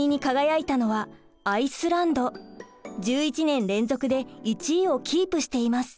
１１年連続で１位をキープしています。